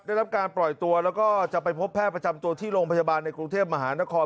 ได้รับการปล่อยตัวแล้วก็จะไปพบแพทย์ประจำตัวที่โรงพยาบาลในกรุงเทพมหานคร